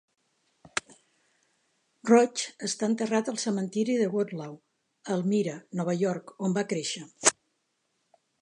Roach està enterrat al cementiri de Woodlawn a Elmira, Nova York, on va créixer.